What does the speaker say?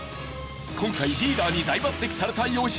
今回リーダーに大抜擢された良純。